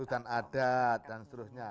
hutan adat dan seterusnya